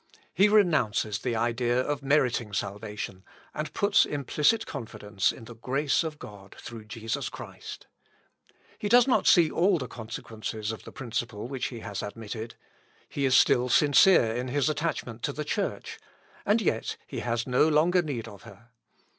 He renounces the idea of meriting salvation, and puts implicit confidence in the grace of God through Jesus Christ. He does not see all the consequences of the principle which he has admitted; he is still sincere in his attachment to the Church, and yet he has no longer need of her.